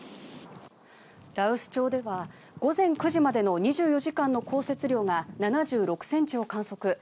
羅臼町では午前９時までの２４時間の降雪量が７６ｃｍを観測。